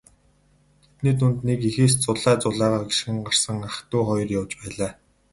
Тэдний дунд нэг эхээс зулай зулайгаа гишгэн гарсан ах дүү хоёр явж байлаа.